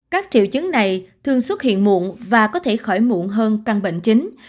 các triệu chứng này thường xuất hiện muộn và có thể khỏi muộn hơn căn bệnh chính